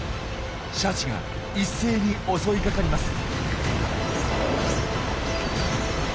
シャチが一斉に襲いかかります。